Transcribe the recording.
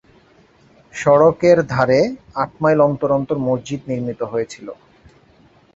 সড়কের ধারে আট মাইল অন্তর অন্তর মসজিদ নির্মিত হয়েছিল।